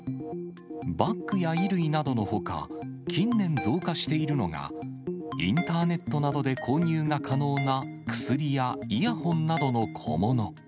バッグや衣類などのほか、近年増加しているのが、インターネットなどで購入が可能な、薬やイヤホンなどの小物。